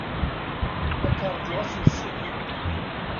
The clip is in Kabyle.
Ad k-ṛjuɣ ass n ssebt.